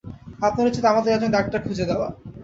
আপনার উচিত আমাদের একজন ডাক্তার খুঁজে দেওয়া।